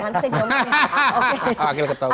nanti saya jom